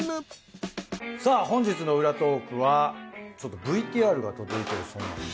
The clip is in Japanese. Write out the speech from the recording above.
本日の裏トークはちょっとＶＴＲが届いてるそうなんで。